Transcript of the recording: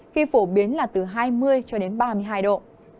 khi phổ biến là từ hai mươi cho đến ba mươi hai độ